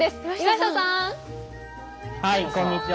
はいこんにちは。